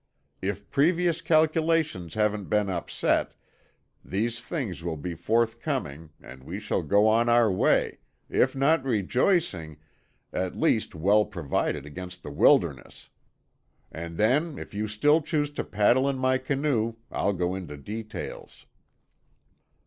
If previous calculations haven't been upset, these things will be forthcoming and we shall go on our way—if not rejoicing, at least well provided against the wilderness. And then if you still choose to paddle in my canoe, I'll go into details."